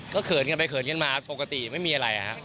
ก็เขินกันไปเขินกันมาปกติไม่มีอะไรครับ